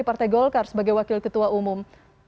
partai golkar sebagai wakil ketua umum